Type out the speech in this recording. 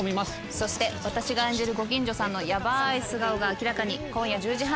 そして私が演じるご近所さんのヤバい素顔が明らかに今夜１０時半。